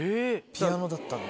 ピアノだったんで。